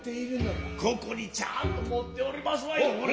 ここにちゃんと持っておりますわいのうほれ。